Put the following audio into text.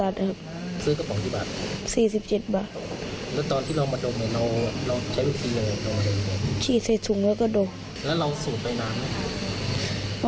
เกือบหมดแล้ว